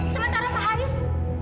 sementara pak haris